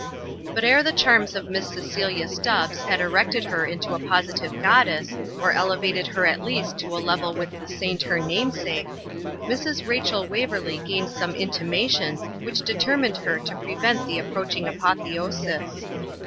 But ere the charms of Miss Cecilia Stubbs had erected her into a positive goddess, or elevated her at least to a level with the saint her namesake, Mrs. Rachel Waverley gained some intimation which determined her to prevent the approaching apotheosis.